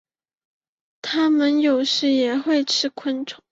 它们有时也会吃昆虫。